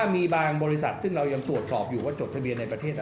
มีบางบริษัทซึ่งเรายังตรวจสอบอยู่ว่าจดทะเบียนในประเทศอะไร